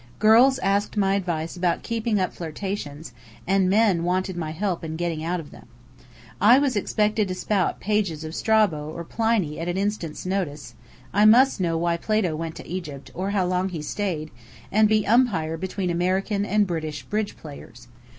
Girls asked my advice about keeping up flirtations, and men wanted my help in getting out of them. I was expected to spout pages of Strabo or Pliny at an instant's notice; I must know why Plato went to Egypt, or how long he stayed; and be umpire between American and British bridge players.